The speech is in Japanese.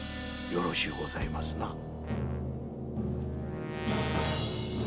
よろしゅうございますな？